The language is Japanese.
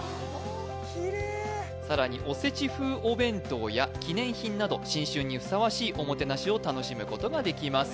・キレイさらにおせち風お弁当や記念品など新春にふさわしいおもてなしを楽しむことができます